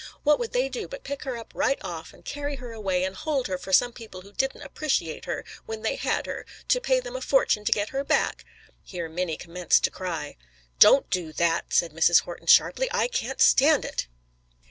What would they do but pick her up right off, and carry her away and hold her for some people who didn't appreciate her when they had her, to pay them a fortune to get her back?" Here Minnie commenced to cry. "Don't do that!" said Mrs. Horton sharply. "I can't stand it!"